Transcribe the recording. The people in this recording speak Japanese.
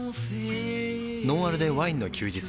「ノンアルでワインの休日」